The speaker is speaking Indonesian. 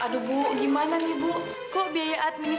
tuan jangan main main